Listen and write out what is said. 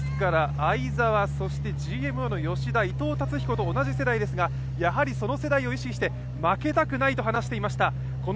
相澤、ＧＭＯの吉田、伊藤達彦と同じ世代ですが、やはりその世代を意識して、負けたくないと話していました。